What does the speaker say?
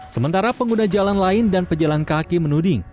sementara pengguna jalan lain dan pejalan kaki menuding